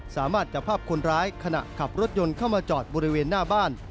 สามารถจับภาพคนร้ายขณะขับรถยนต์เข้ามาจอดบริเวณหน้าบ้าน